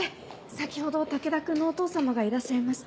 先ほど武田君のお父様がいらっしゃいまして。